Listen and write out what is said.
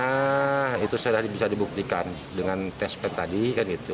nah itu saya bisa dibuktikan dengan test pad tadi kan itu